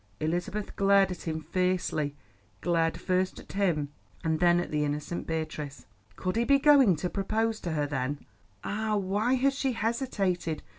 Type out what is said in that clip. Elizabeth glared at him fiercely—glared first at him and then at the innocent Beatrice. Could he be going to propose to her, then? Ah, why had she hesitated?